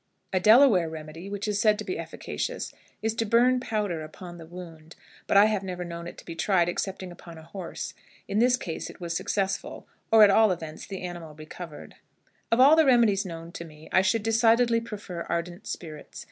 A Delaware remedy, which is said to be efficacious, is to burn powder upon the wound, but I have never known it to be tried excepting upon a horse. In this case it was successful, or, at all events, the animal recovered. Of all the remedies known to me, I should decidedly prefer ardent spirits.